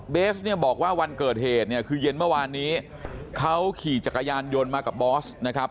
เบสเนี่ยบอกว่าวันเกิดเหตุเนี่ยคือเย็นเมื่อวานนี้เขาขี่จักรยานยนต์มากับบอสนะครับ